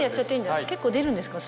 結構出るんですか？